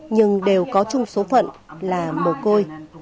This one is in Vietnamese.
nhưng đều có chung số phận là mồ côi